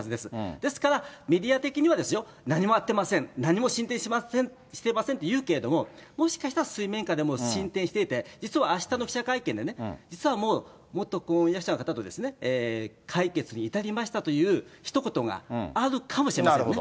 ですから、メディア的には何も会ってません、何も進展してませんというけれども、もしかしたら、水面下で進展していて、実はあしたの記者会見でね、実はもう、元婚約者の方と解決に至りましたというひと言があるかもしれませなるほど。